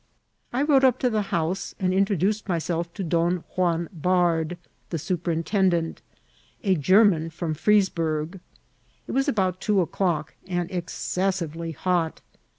I rode up to the house and introduced myself to Don Juan Bardh, the scqperintendent, a German from Fries borg. It was about two o'clock, and excessively hot.